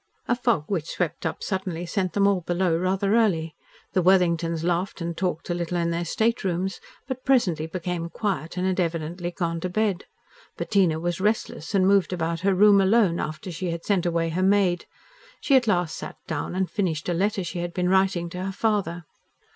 A fog which swept up suddenly sent them all below rather early. The Worthingtons laughed and talked a little in their staterooms, but presently became quiet and had evidently gone to bed. Bettina was restless and moved about her room alone after she had sent away her maid. She at last sat down and finished a letter she had been writing to her father.